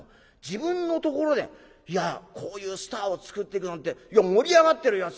自分のところでいやこういうスターを作っていくなんて盛り上がってるやん。